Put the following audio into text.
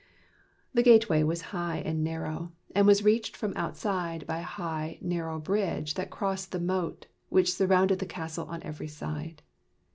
The gateway was high and narrow, and was reached from outside by a high, narrow bridge that crossed the moat, which surrounded the castle on every side.